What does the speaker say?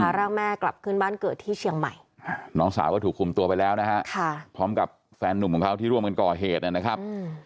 ร่างแม่กลับขึ้นบ้านเกิดที่เชียงใหม่น้องสาวก็ถูกคุมตัวไปแล้วนะฮะพร้อมกับแฟนหนุ่มของเขาที่ร่วมกันก่อเหตุนะครับ